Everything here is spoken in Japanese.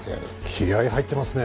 気合入ってますね。